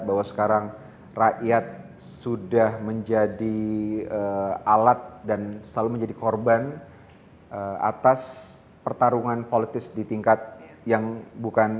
bahwa sekarang rakyat sudah menjadi alat dan selalu menjadi korban atas pertarungan politis di tingkat yang bukan